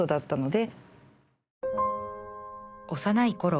幼いころ